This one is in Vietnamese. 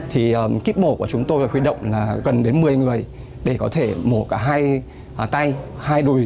thì kíp mổ của chúng tôi khuyến động gần đến một mươi người để có thể mổ cả hai tay hai đùi